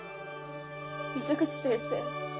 水口先生